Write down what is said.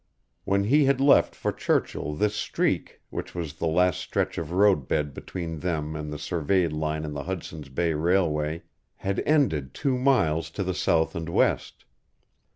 When he had left for Churchill this streak, which was the last stretch of road bed between them and the surveyed line of the Hudson's Bay Railway, had ended two miles to the south and west.